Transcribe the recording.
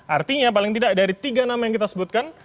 artinya paling tidak dari tiga nama yang kita sebutkan